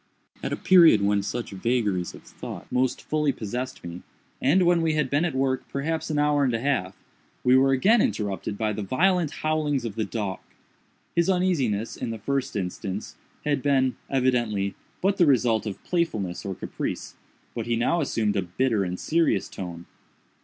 At a period when such vagaries of thought most fully possessed me, and when we had been at work perhaps an hour and a half, we were again interrupted by the violent howlings of the dog. His uneasiness, in the first instance, had been, evidently, but the result of playfulness or caprice, but he now assumed a bitter and serious tone.